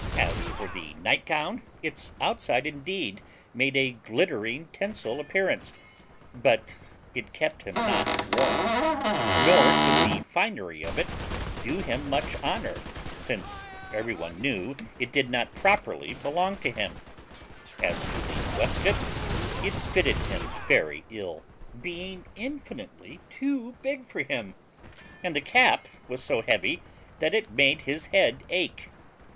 As for the nightgown, its outside indeed made a glittering tinsel appearance, but it kept him not warm, nor could the finery of it do him much honour, since every one knew it did not properly belong to him; as to the waistcoat, it fitted him very ill, being infinitely too big for him; and the cap was so heavy that it made his head ache.